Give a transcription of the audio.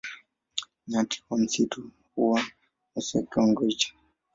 Nyati wa msitu huwa nusu ya kiwango hicho.